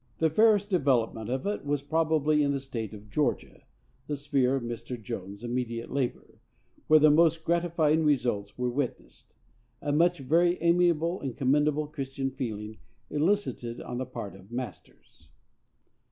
The fairest development of it was probably in the State of Georgia, the sphere of Mr. Jones' immediate labor, where the most gratifying results were witnessed, and much very amiable and commendable Christian feeling elicited on the part of masters.